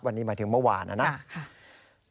วันนี้หมายถึงเมื่อวานนะครับ